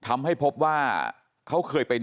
ทำให้สัมภาษณ์อะไรต่างนานไปออกรายการเยอะแยะไปหมด